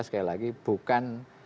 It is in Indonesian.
sekali lagi bukan